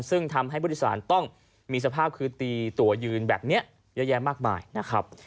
ซึ่งทำให้ผู้โดยสารต้องมีสภาพคือตีตัวยืนแบบนี้เยอะแยะมากมายนะครับ